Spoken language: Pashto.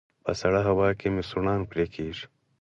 په سړه هوا کې مې سوڼان پرې کيږي